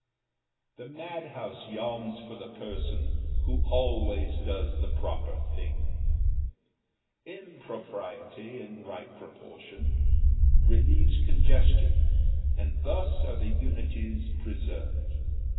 The madhouse yawns for the person who always does the proper thing. Impropriety, in right proportion, relieves congestion, and thus are the unities preserved.